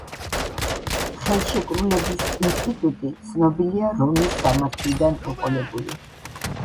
ხელშეკრულების ინსტიტუტი ცნობილია რომის სამართლიდან მოყოლებული.